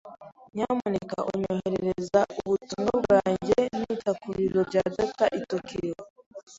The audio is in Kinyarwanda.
Nyamuneka onyoherereza ubutumwa bwanjye nita ku biro bya data i Tokiyo.